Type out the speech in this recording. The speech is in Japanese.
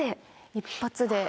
一発で。